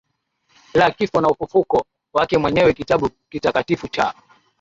la kifo na ufufuko wake mwenyewe Kitabu kitakatifu cha